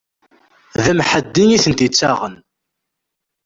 D amḥaddi itent-ittaɣen!